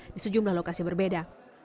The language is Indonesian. di sejumlah lokasi berbeda